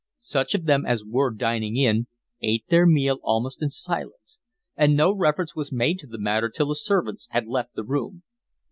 Such of them as were dining in, ate their meal almost in silence, and no reference was made to the matter till the servants had left the room.